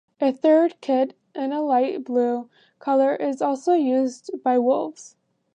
A third kit in a light blue colour is also used by Wolves.